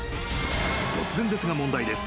突然ですが、問題です。